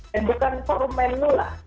dan bukan forum menu lah